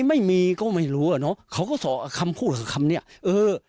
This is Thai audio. ไม่มีก็ไม่รู้อ่ะเนอะเขาก็สอบคำพูดคำเนี้ยเออ